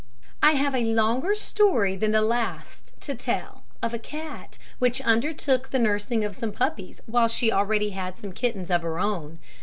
I have a longer story than the last to tell, of a cat which undertook the nursing of some puppies while she already had some kittens of her own.